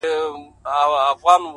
خداى دي كړي خير گراني څه سوي نه وي’